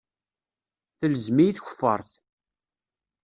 Telzem-iyi tkeffaṛt.